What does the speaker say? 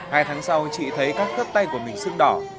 hai tháng sau chị thấy các khớp tay của mình sưng đỏ